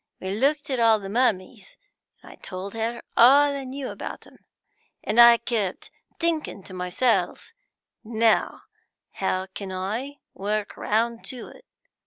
We looked at all the mummies, and I told her all I knew about them, and I kept thinking to myself: Now, how can I work round to it?